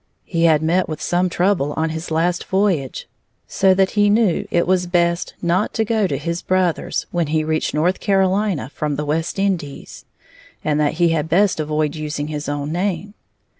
He had met with some trouble on his last voyage, so that he knew it was best not to go to his brother's when he reached North Carolina from the West Indies, and that he had best avoid using his own name.